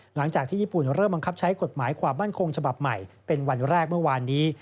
หลังจากที่ญี่ปุ่นเริ่มบังคับใช้กฎหมายความมั่นคงฉบับใหม่เป็นวันแรกเมื่อวานนี้